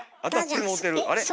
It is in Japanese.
あれ？